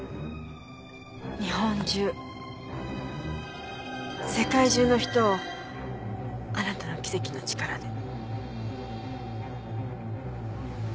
日本中世界中の人をあなたの奇跡の力で。